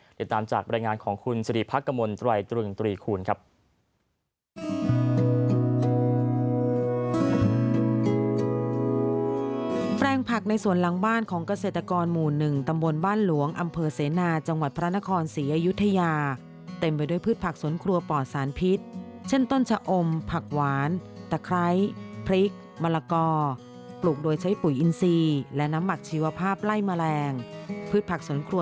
เดี๋ยวตามจากบรรยายงานของคุณสรีภักษ์กมลตรวัยตรึงตรีคูณครับ